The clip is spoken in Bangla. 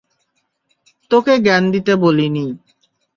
তোকে জ্ঞান দিতে বলিনি।